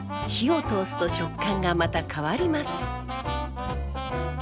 火を通すと食感がまた変わります。